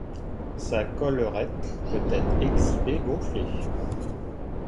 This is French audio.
Sa collerette peut être exhibée gonflée.